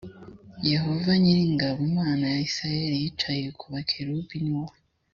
yehova nyiri ingabo mana ya isirayelih yicaye ku bakerubi ni wowe